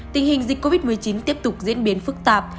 tình hình dịch covid một mươi chín tiếp tục diễn biến phức tạp